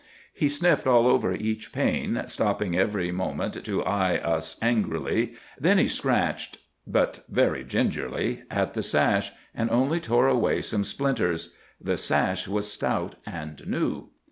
"He sniffed all over each pane, stopping every moment to eye us angrily. Then he scratched, but very gingerly, at the sash, and only tore away some splinters. The sash was stout and new.